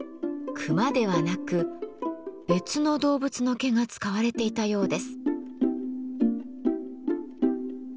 熊ではなく別の動物の毛が使われていたようです。